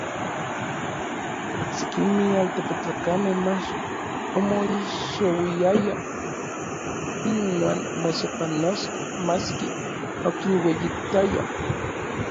Oksekimej altepetlakamej mach omoixeuiayaj inuan mosepanoskej, maski okinueyitayaj.